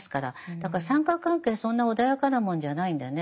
だから三角関係そんな穏やかなもんじゃないんでね